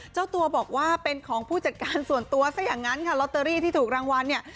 เจ้าตัวบอกว่าเป็นของผู้จัดการส่วนตัวซะอย่างนั้นค่ะลอตเตอรี่ที่ถูกรางวัลเนี่ย